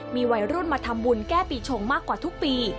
มีวัยรุ่นมาทำบุญแก้ปีชงมากกว่าทุกปี